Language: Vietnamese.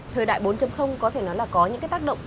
thời đại bốn có thể nói là có những cái tác động